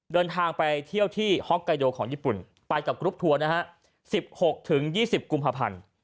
เดินทางไปเที่ยวที่ฮอกไกโดของญี่ปุ่นไปกับกรุ๊ปทัวร์นะฮะ๑๖๒๐กุมภาพันธ์